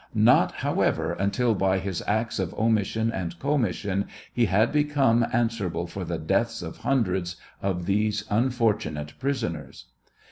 Not, however, until by his acts of omission and commission he had become answerable for the deaths of hundreds of these unfortunate prisoners.